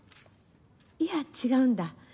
いや、違うんだ。